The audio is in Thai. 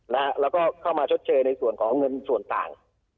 แล้วก็เข้ามาชดเชยในส่วนของเงินส่วนต่าง